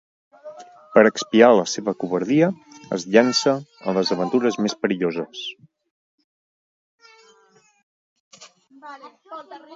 Per expiar la seva covardia, es llança a les aventures més perilloses.